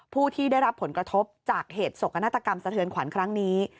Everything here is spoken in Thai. ผู้ที่ได้รับผลกระทบจากเหตุสกนาฏกรรมสะเทือนขวัญครั้งนี้